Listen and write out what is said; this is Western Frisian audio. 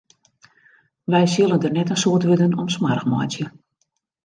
Wy sille der net in soad wurden oan smoarch meitsje.